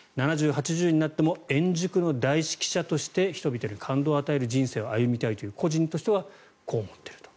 ７０、８０になっても円熟の大指揮者として人々に感動を与える人生を歩みたいという個人としてはこう思っていると。